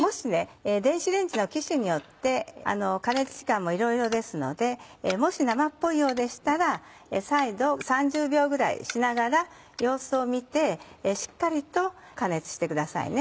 電子レンジの機種によって加熱時間もいろいろですのでもし生っぽいようでしたら再度３０秒ぐらいしながら様子を見てしっかりと加熱してくださいね。